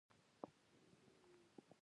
ځواني مي د ساحل په پسته غېږ کي نیمه خوا کړه